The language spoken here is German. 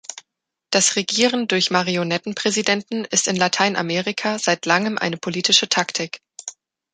Das Regieren durch Marionettenpräsidenten ist in Lateinamerika seit langem eine politische Taktik.